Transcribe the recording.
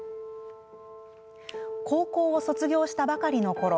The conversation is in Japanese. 高校を卒業したばかりのころ